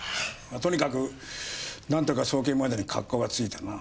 とにかくなんとか送検までに格好がついたな。